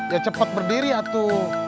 ya cepet berdiri atu